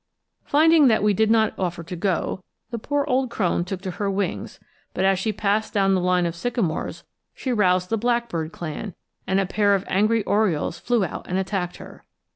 Finding that we did not offer to go, the poor old crone took to her wings; but as she passed down the line of sycamores she roused the blackbird clan, and a pair of angry orioles flew out and attacked her.